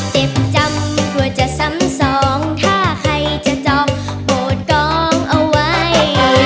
เจ็บจำกลัวจะซ้ำสองถ้าใครจะจองโหดกองเอาไว้